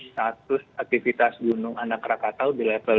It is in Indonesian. status aktivitas gunung anak rakatau di level dua